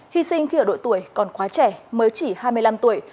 hy sinh khi ở độ tuổi còn quá trẻ mới chỉ hai mươi năm tuổi